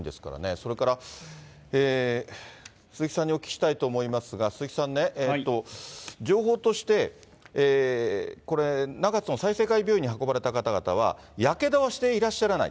それから、鈴木さんにお聞きしたいと思いますが、鈴木さんね、情報として、これ、中津の済生会病院に運ばれた方々はやけどはしていらっしゃらない。